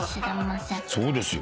そうですよ。